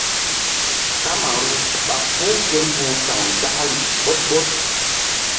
Kamaru ɓa puh ke mbu̧h sa̧w nzakri ɓoɗ ɓoɗ.